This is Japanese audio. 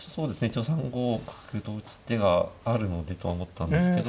一応３五角と打つ手があるのでとは思ったんですけど。